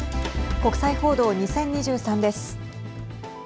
国際報道２０２３です。